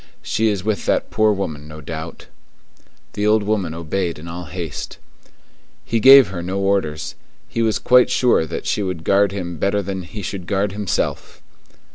She is with that poor woman, no doubt." The old woman obeyed in all haste. He gave her no orders; he was quite sure that she would guard him better than he should guard himself.